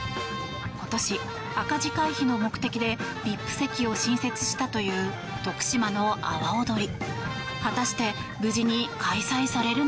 今年、赤字回避の目的でＶＩＰ席を新設したという徳島の阿波おどり。